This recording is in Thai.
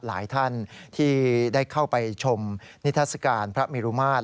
หลายท่านที่ได้เข้าไปชมนิทัศกาลพระเมรุมาตร